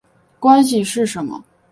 关系是什么？